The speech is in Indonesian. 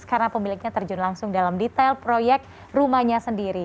karena pemiliknya terjun langsung dalam detail proyek rumahnya sendiri